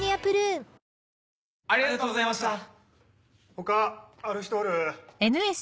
他ある人おる？